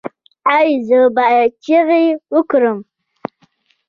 ایا زه باید چیغې وکړم؟